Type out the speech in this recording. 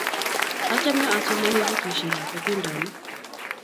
Achame asomani pukuisyek ap atindonik